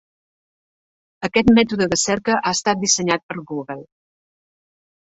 Aquest mètode de cerca ha estat dissenyat per Google.